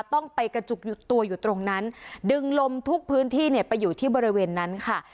ต้องไปกระจุกตัวอยู่ตรงนั้นดึงลมทุกพื้นที่เนี่ยไปอยู่ที่บริเวณนั้นค่ะ